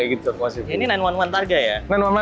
ini sembilan ratus sebelas targa ya